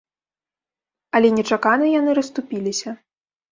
Але нечакана яны расступіліся.